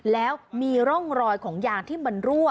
แล้วมีร่องรอยของยางที่มันรั่ว